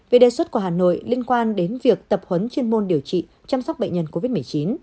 về đề xuất của hà nội liên quan đến việc tập huấn chuyên môn điều trị chăm sóc bệnh nhân covid một mươi chín